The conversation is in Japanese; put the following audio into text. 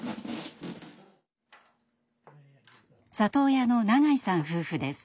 里親の永井さん夫婦です。